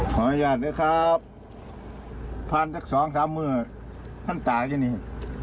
ขออนุญาตด้วยครับพันสักสองสามเมื่อขั้นตากอย่างนี้